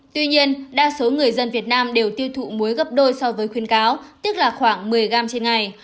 tuy nhiên đa số người dân việt nam đều tiêu thụ muối gấp đôi so với khuyến cáo tức là khoảng một mươi gram trên ngày